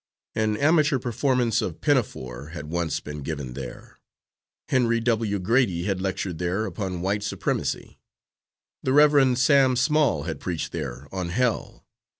An amateur performance of "Pinafore" had once been given there. Henry W. Grady had lectured there upon White Supremacy; the Reverend Sam Small had preached there on Hell.